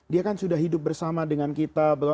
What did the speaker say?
dia kan sudah hidup bersama dengan kita